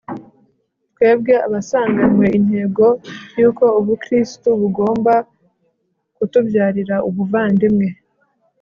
twebwe abasanganwe intego y'uko ubukristu bugomba kutubyarira ubuvandimwe